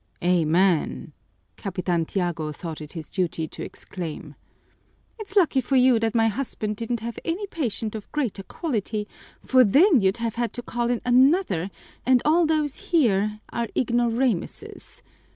"Amen!" Capitan Tiago thought it his duty to exclaim. "It's lucky for you that my husband didn't have any patient of greater quality, for then you'd have had to call in another, and all those here are ignoramuses.